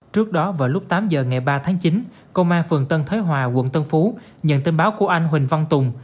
trước đó vào lúc tám giờ ngày ba tháng chín công an phường tân thới hòa quận tân phú nhận tin báo của anh huỳnh văn tùng